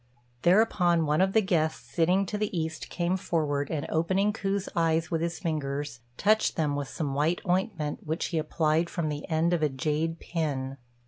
Thereupon, one of the guests sitting to the east came forward, and opening Ku's eyes with his fingers, touched them with some white ointment, which he applied from the end of a jade pin.